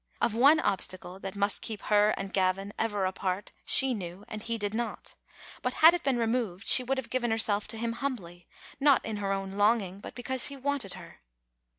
Of one obstacle that must keep her and Gavin ever apart she knew, and he did not ; but had it been removed she would have given herself to him humbly, not in her own longing, but be cause he wanted her.